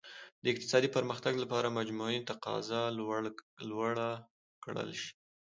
د اقتصادي پرمختګ لپاره مجموعي تقاضا لوړه کړل شي.